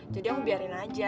jadi aku biarin